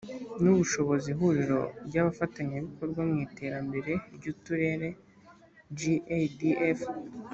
n ubushobozi ihuriro ry abafatanyabikorwa mu iterambere ry uturere jadf